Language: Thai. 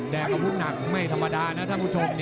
แต่กระพุทนักไม่ธรรมดานะท่านผู้ชม